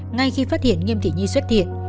ngay khi phát hiện nghiêm thỷ như xuất hiện